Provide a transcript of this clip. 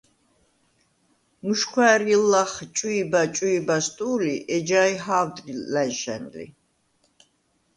მუჟჴვა̄̈რი̄ლ ლახ “ჭვი̄ბა-ჭვი̄ბას” ტუ̄ლი, ეჯაი ჰა̄ვდრი ლა̈ნშა̈ნ ლი.